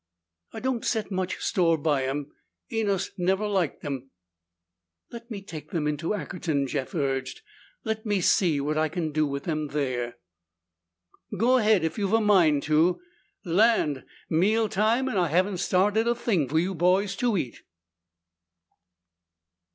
"I don't set much store by 'em. Enos never liked 'em." "Let me take them into Ackerton," Jeff urged. "Let me see what I can do with them there." "Go ahead if you've a mind to. Land! Meal time and I haven't started a thing for you boys to eat!"